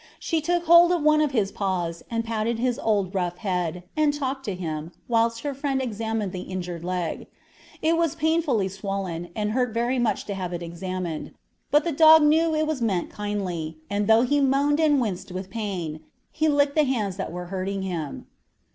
She took hold of one of his paws, patted his old rough head, and talked to him, whilst her friend examined the injured leg. It was dreadfully swollen, and hurt very much to have it examined; but the dog knew it was meant kindly, and though he moaned and winced with pain, he licked the hands that were hurting him.